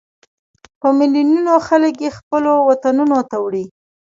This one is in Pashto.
په ملیونونو خلک یې خپلو وطنونو ته وړي.